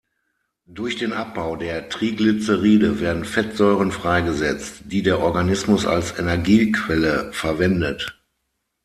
Durch den Abbau der Triglyceride werden Fettsäuren freigesetzt, die der Organismus als Energiequelle verwendet.